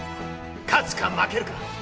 勝つか負けるか。